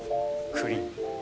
栗？